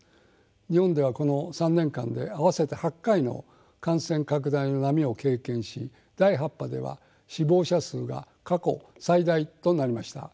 日本ではこの３年間で合わせて８回の感染拡大の波を経験し第８波では死亡者数が過去最大となりました。